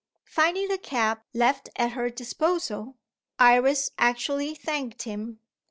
Finding the cab left at her disposal, Iris actually thanked him!